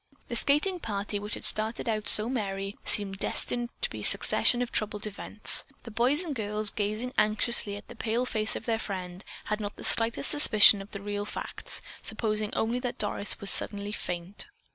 The skating party, which had started out so merrily, seemed destined to be a succession of troubled events. The boys and girls, gazing anxiously at the pale face of their friend, had not the slightest suspicion of the real facts, supposing only that Doris was suddenly faint.